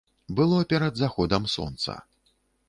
Было перад заходам сонца.